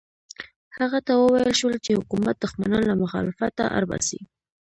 هغه ته وویل شول چې حکومت دښمنان له مخالفته اړ باسي.